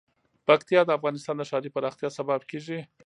پکتیا د افغانستان د ښاري پراختیا سبب کېږي.